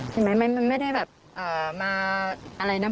เห็นไหมมันไม่ได้แบบมาอะไรนะ